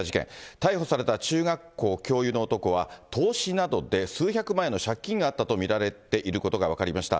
逮捕された中学校教諭の男は、投資などで数百万円の借金があったと見られていることが分かりました。